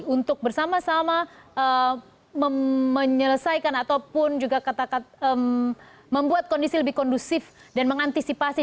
untuk bersama sama menyelesaikan ataupun juga membuat kondisi lebih kondusif dan mengantisipasi